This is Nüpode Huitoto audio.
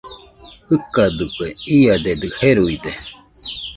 Jɨkadɨkue, iadedɨ jeruide